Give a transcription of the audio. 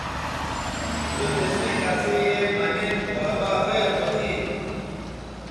سو تسیئں کسئ یے مہ نِن بابا خیر خو تھی